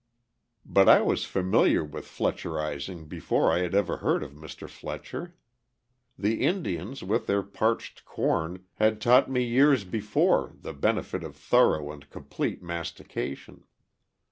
But I was familiar with "fletcherizing" before I had ever heard of Mr. Fletcher. The Indians, with their parched corn, had taught me years before the benefit of thorough and complete mastication.